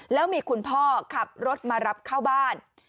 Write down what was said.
แล้วมีคุณพ่อขับรถมารับเข้าบ้าน